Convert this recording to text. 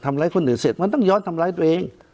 คนอื่นเสร็จมันต้องย้อนทำร้ายตัวเอง